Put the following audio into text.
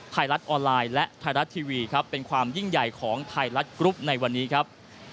ไทยรัฐออนไลน์และไทยรัฐทีวีครับเป็นความยิ่งใหญ่ของไทยรัฐกรุ๊ปในวันนี้ครับ